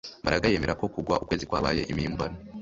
Mbaraga yemera ko kugwa ukwezi kwabaye impimbano